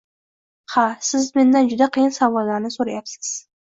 Ha, siz mendan juda qiyin savollarni soʻrayapsiz.